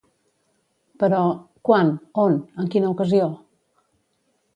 Però… quan? on? en quina ocasió?